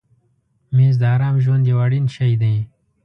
مېز د آرام ژوند یو اړین شی دی.